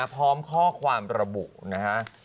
พร้อมข้อความระบุนะฮะ